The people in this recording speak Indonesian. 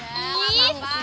udah gak apa apa